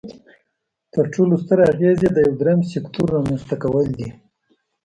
تر ټولو ستر اغیز یې د یو دریم سکتور رامینځ ته کول دي.